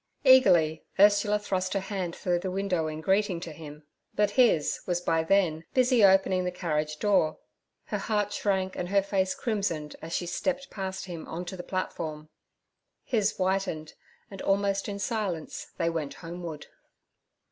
Eagerly Ursula thrust her hand through the window in greeting to him, but his was by then busy opening the carriage door. Her heart shrank and her face crimsoned as she stepped past him on to the platform; his whitened, and almost in silence they went homeward.